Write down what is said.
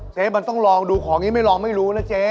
เจ๊มันต้องลองดูของอย่างนี้ไม่ลองไม่รู้นะเจ๊